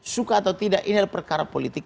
suka atau tidak ini adalah perkara politik